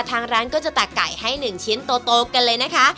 ทางร้านก็จะตักไก่ให้๑ชิ้นโตกันเลยนะคะ